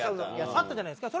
あったじゃないですか。